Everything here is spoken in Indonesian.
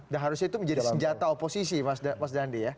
harusnya itu menjadi senjata oposisi mas dandi ya